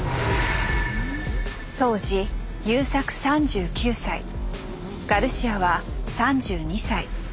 当時優作３９歳ガルシアは３２歳。